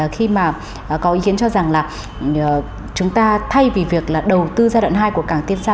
khi mà có ý kiến cho rằng là chúng ta thay vì việc là đầu tư giai đoạn hai của cảng tiên sa